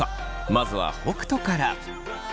まずは北斗から。